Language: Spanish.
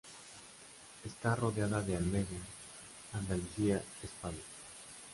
Está rodada en Almería, Andalucía, España.